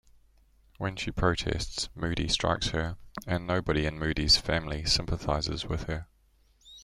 When she protests, Moody strikes her, and nobody in Moody's family sympathises with her.